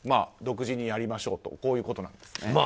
独自にやりましょうということなんですね。